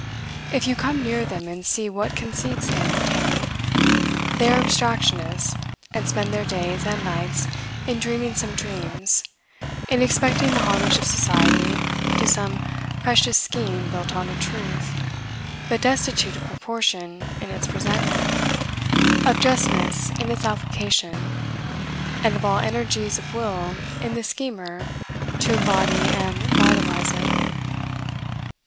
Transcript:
If you come near them, and see what conceits they entertain, they are abstractionists, and spend their days and nights in dreaming some dreams; in expecting the homage of society to some precious scheme built on a truth, but destitute of proportion in its presentment, of justness in its application, and of all energy of will in the schemer to embody and vitalize it.